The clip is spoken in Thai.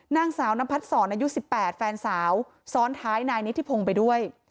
นางสาวนพัดศรอายุ๑๘แฟนสาวซ้อนท้ายนายนิธิพงศ์ไปด้วย